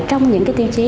trong những cái tiêu chí